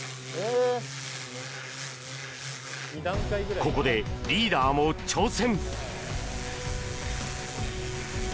ここでリーダーも挑戦！